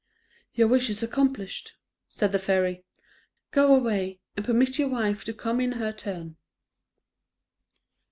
"Your wish is accomplished," said the fairy; "go away, and permit your wife to come in her turn."